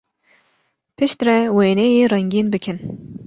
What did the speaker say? Piştre wêneyê rengîn bikin.